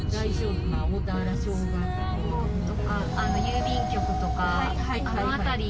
郵便局とかあの辺り。